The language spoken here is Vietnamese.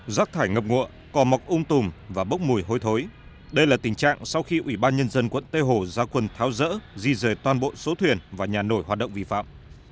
rác thải ngập ngụa cò mọc ung tùm và bốc mùi hôi thối đây là tình trạng sau khi ủy ban nhân dân quận tây hồ ra quần tháo rỡ di rời toàn bộ số thuyền và nhà nổi hoạt động vi phạm